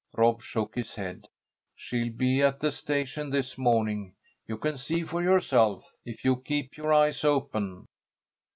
Rob shook his head. "She'll be at the station this morning. You can see for yourself, if you keep your eyes open."